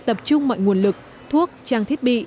tập trung mọi nguồn lực thuốc trang thiết bị